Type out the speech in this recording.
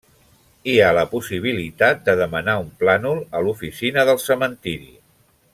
Hi ha la possibilitat de demanar un plànol a l'oficina del cementiri.